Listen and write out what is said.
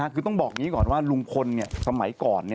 คือต้องบอกอย่างนี้ก่อนว่าลุงพลสมัยก่อน